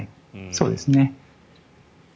そうですね。